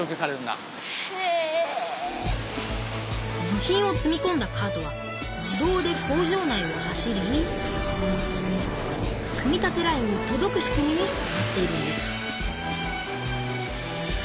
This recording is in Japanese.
部品を積みこんだカートは自動で工場内を走り組み立てラインにとどく仕組みになっているんです